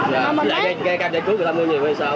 cam giải cứu